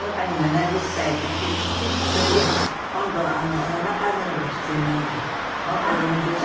それで今度７回目のご出演なので本当におめでたい。